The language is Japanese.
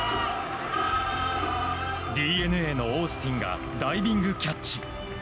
ＤｅＮＡのオースティンがダイビングキャッチ。